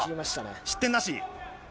失点なし。